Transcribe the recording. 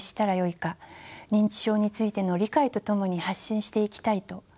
認知症についての理解とともに発信していきたいと。